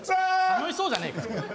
楽しそうじゃねえかよ。